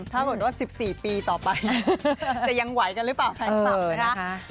ถ้าเกิดว่า๑๔ปีต่อไปจะยังไหวกันหรือเปล่าแฟนคลับนะคะ